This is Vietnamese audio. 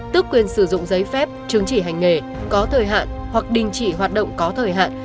tước quyền sử dụng giấy phép chứng chỉ hành nghề có thời hạn hoặc đình chỉ hoạt động có thời hạn